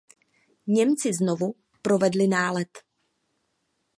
Němci znovu provedli nálet.